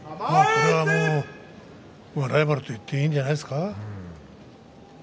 これはもうライバルと言っていいんじゃないですか。